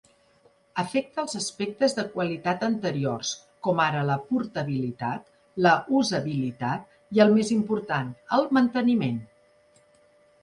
Afecta els aspectes de qualitat anteriors, com ara la portabilitat, la usabilitat i el més important, el manteniment.